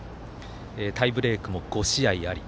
タイブレークも５試合あり